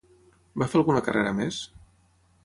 Va fer alguna carrera més?